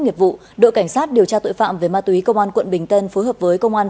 nghiệp vụ đội cảnh sát điều tra tội phạm về ma túy công an quận bình tân phối hợp với công an